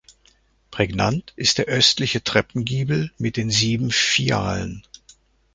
Prägnant ist der östliche Treppengiebel mit den sieben Fialen.